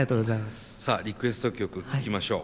さあリクエスト曲聴きましょう。